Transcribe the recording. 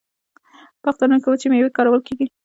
په اخترونو کې وچې میوې کارول کیږي.